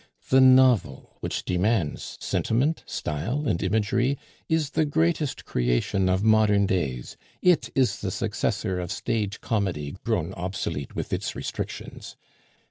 The Novel, which demands sentiment, style, and imagery, is the greatest creation of modern days; it is the successor of stage comedy grown obsolete with its restrictions.